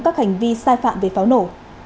các hành vi sai phạm về pháo nổ